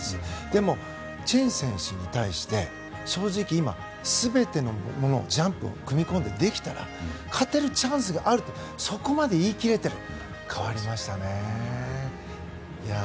でもチェン選手に対して正直、今全てのジャンプを組み込んでできたら勝てるチャンスがあるとそこまで言い切れている。